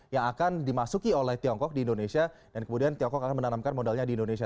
yang akan dimasuki oleh tiongkok di indonesia dan kemudian tiongkok akan menanamkan modalnya di indonesia